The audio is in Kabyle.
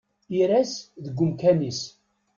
Ires deg umkan-is.